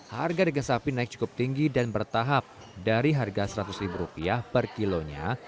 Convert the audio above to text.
harga daging sapi naik cukup tinggi dan bertahap dari harga rp seratus per kilonya